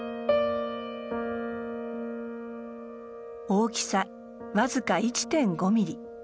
大きさ僅か１．５ミリ。